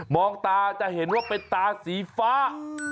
ตาจะเห็นว่าเป็นตาสีฟ้า